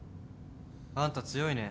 あんた強いね。